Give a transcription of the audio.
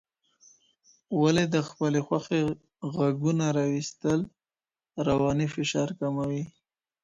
ولي د خپلي خوښي غږونه راویستل رواني فشار کموي؟